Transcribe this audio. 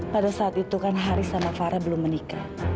pada saat itu kan haris sama farah belum menikah